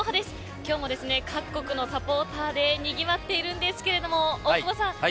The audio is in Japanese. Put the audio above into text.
今日も各国のサポーターでにぎわっているんですが大久保さん。